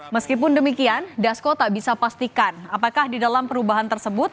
meskipun demikian dasko tak bisa pastikan apakah di dalam perubahan tersebut